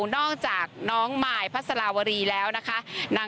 นอกจากน้องมายพัสลาวรีแล้วนะคะ